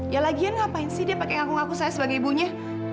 ya lagian ngapain sih dia pakai ngaku ngaku saya sebagai ibunya